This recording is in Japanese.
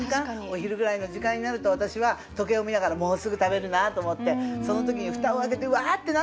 お昼ぐらいの時間になると私は時計を見ながらもうすぐ食べるなと思ってその時に蓋を開けて「わあ！」ってなってるだろうなって。